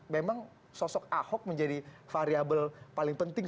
memang sosok ahok menjadi variable paling penting